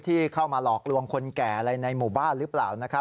ที่เข้ามาหลอกลวงคนแก่อะไรในหมู่บ้านหรือเปล่านะครับ